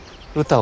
歌？